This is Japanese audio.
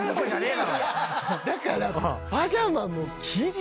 だから。